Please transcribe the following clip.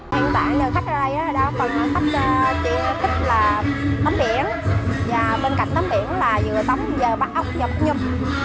hiện tại nơi khách ở đây đó phần khách thích là nắm biển và bên cạnh nắm biển là vừa tắm giờ bắt ốc và bắt nhub